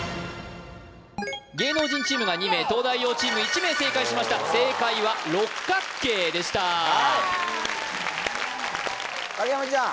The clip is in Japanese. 芸能人チームが２名東大王チーム１名正解しました正解は六角形でしたわあ影山ちゃん